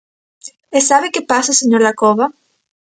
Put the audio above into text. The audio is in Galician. ¿E sabe que pasa, señor Dacova?